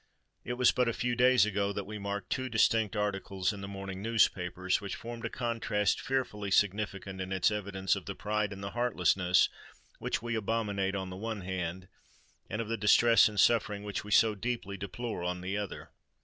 It was but a few days ago that we marked two distinct articles in the morning newspapers, which formed a contrast fearfully significant in its evidence of the pride and the heartlessness which we abominate on the one hand, and of the distress and suffering which we so deeply deplore on the other.